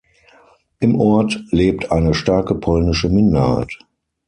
Im Ort lebt eine starke polnische Minderheit.